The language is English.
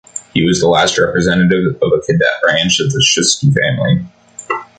He was the last representative of a cadet branch of the Shuysky family.